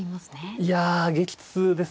いや激痛ですね。